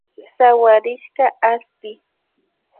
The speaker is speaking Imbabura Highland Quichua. Sawarishka aspi